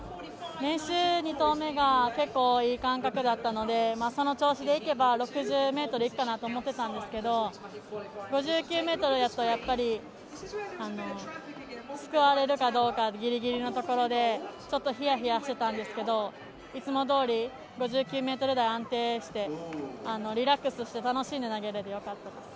練習２投目が結構、いい感覚だったので６０ｍいくかなって思ってたんですけど５９ｍやと、やっぱりすくわれるかどうかのぎりぎりのところで、ちょっとヒヤヒヤしていたんですけどいつもどおり５９ｍ台安定してリラックスして楽しんで投げれてよかったです。